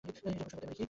একটা প্রশ্ন করতে পারি?